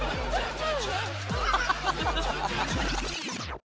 ハハハハ！